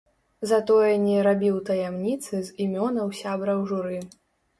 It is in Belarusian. Затое не рабіў таямніцы з імёнаў сябраў журы.